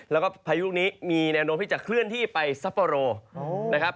แล้วก็พายุลูกนี้มีแนวโน้มที่จะเคลื่อนที่ไปซัปโปโรนะครับ